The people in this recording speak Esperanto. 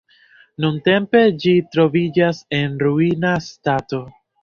Nuntempe ĝi troviĝas en ruina stato.